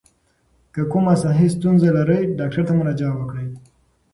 که کومه صحي ستونزه لرئ، ډاکټر ته مراجعه وکړئ.